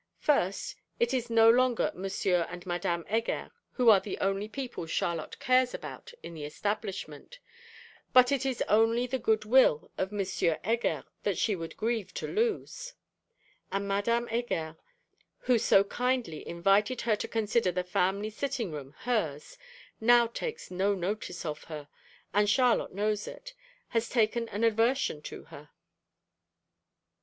First, it is no longer Monsieur and Madame Heger who are the only people Charlotte cares about in the establishment, but it is only the goodwill of M. Heger that she would grieve to lose. And Madame Heger, who so kindly invited her to consider the family sitting room hers, now takes no notice of her, and, Charlotte knows it, has taken an aversion to her.